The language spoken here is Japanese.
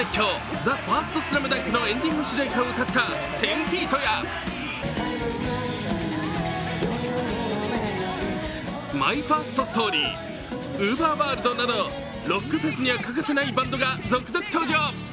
「ＴＨＥＦＩＲＳＴＳＬＡＭＤＵＮＫ」のエンディング主題歌を歌った１０−ＦＥＥＴやＭＹＦＩＲＳＴＳＴＯＲＹＵＶＥＲｗｏｒｌｄなどロックフェスには欠かせないバンドが続々登場。